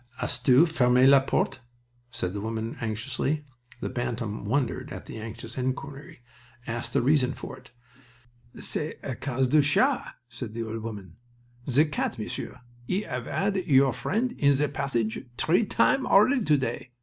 "As tu ferme la porte?" said the old woman, anxiously. The Bantam wondered at the anxious inquiry; asked the reason of it. "C'est a cause du chat!" said the old woman. "Ze cat, Monsieur, 'e 'ave 'ad your friend in ze passage tree time already to day.